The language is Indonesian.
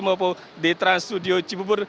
maupun di trans studio cibubur